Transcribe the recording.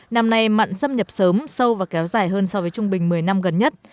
năm nay mặn xâm nhập sớm sâu và kéo dài hơn so với trung bình một mươi năm gần nhất